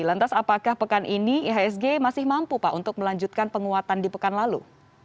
lantas apakah pekan ini ihsg masih mampu pak untuk melanjutkan penguatan di pekan lalu